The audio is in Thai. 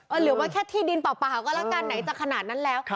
หรือว่าแค่ที่ดินเปล่าก็แล้วกันไหนจะขนาดนั้นแล้ว